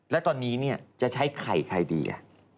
แล้วตอนนี้เนี่ยจะใช้ไข่ใครดี